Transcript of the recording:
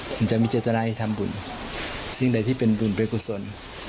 มันจะมีเจตนาที่ทำบุญซึ่งแด้ที่เป็นบุญเปศกสรณ์